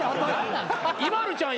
ＩＭＡＬＵちゃん